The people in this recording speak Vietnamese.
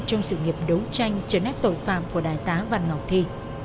trong sự nghiệp đấu tranh trấn áp tội phạm của đại tá văn ngọc thi